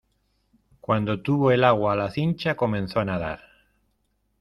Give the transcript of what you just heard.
cuando tuvo el agua a la cincha comenzó a nadar